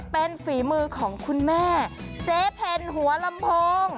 เป็นฝีมือของคุณแม่เจ๊เพ็ญหัวลำโพง